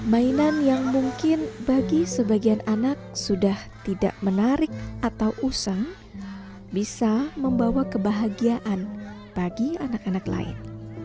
mainan yang mungkin bagi sebagian anak sudah tidak menarik atau usang bisa membawa kebahagiaan bagi anak anak lain